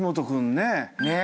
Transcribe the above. ねえ。